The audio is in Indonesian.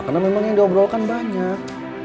karena memang yang diobrolkan banyak